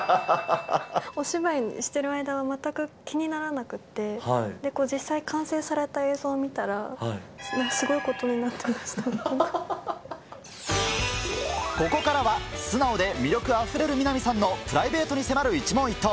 お芝居してる間は全く気にならなくて、実際完成された映像を見たここからは、素直で魅力あふれる南さんのプライベートに迫る一問一答。